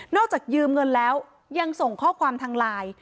จากยืมเงินแล้วยังส่งข้อความทางไลน์